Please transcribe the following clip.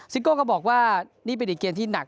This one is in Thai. โก้ก็บอกว่านี่เป็นอีกเกมที่หนัก